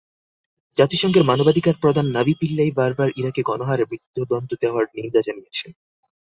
জাতিসংঘের মানবাধিকার প্রধান নাভি পিল্লাই বারবার ইরাকে গণহারে মৃত্যুদণ্ড দেওয়ার নিন্দা জানিয়েছেন।